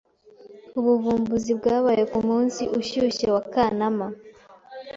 Ubuvumbuzi bwabaye ku munsi ushyushye wa Kanama